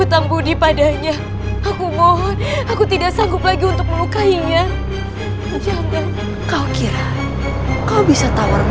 jangan sampai kabur